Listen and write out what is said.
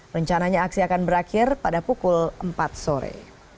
rencananya aksi akan berakhir pada pukul empat sore